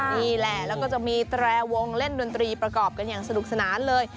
นี่แหละแล้วก็จะมีแตรวงเล่นดนตรีประกอบกันอย่างสนุกสนานเลย